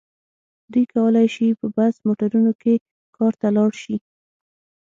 دوی کولای شي په بس موټرونو کې کار ته لاړ شي.